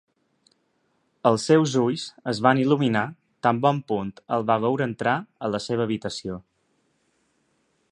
Els seus ulls es van il·luminar tan bon punt el va veure entrar a la seva habitació.